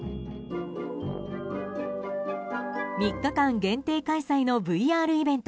３日連続開催のＶＲイベント。